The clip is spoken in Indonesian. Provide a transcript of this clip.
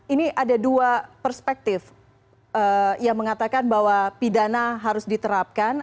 ini ada dua perspektif yang mengatakan bahwa pidana harus diterapkan